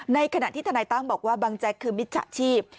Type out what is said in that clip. ในขณะที่ทนายตั้มบอกว่าบังแจ๊กคือมิจฉาชีพ